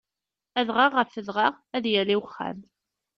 Adɣaɣ ɣef udɣaɣ, ad yali uxxam.